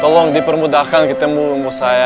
tolong dipermudahkan ketemu sama saya